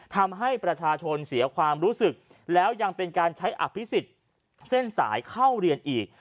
ทำให้ประชาชนเสียความรู้สึกแล้วยังเป็นการใช้อภิษฎเส้นสายเข้าเรียนอีก